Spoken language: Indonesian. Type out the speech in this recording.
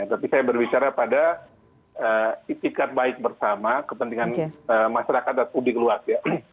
tapi saya berbicara pada itikat baik bersama kepentingan masyarakat dan publik luas ya